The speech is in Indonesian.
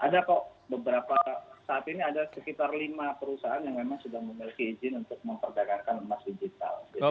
ada kok beberapa saat ini ada sekitar lima perusahaan yang memang sudah memiliki izin untuk memperdagangkan emas digital